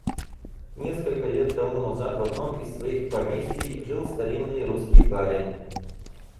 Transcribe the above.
Несколько лет тому назад в одном из своих поместий жил старинный русский барин.